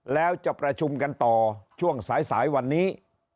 แล้วจะประชุมกันต่อช่วงสายวันนี้